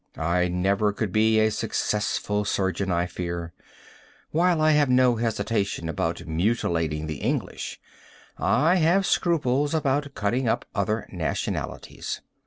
I never could be a successful surgeon, I fear. While I have no hesitation about mutilating the English, I have scruples about cutting up other nationalities.